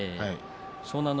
湘南乃